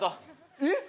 えっ！？